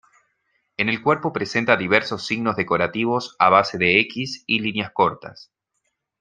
En el cuerpo presenta diversos signos decorativos a base de equis y líneas cortas.